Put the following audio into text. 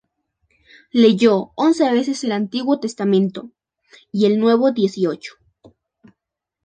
Leyó once veces el Antiguo Testamento, y el Nuevo dieciocho.